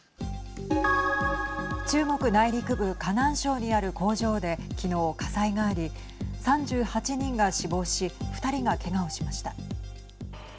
中国内陸部河南省にある工場で昨日、火災があり３８人が死亡し２人が、けがをしました。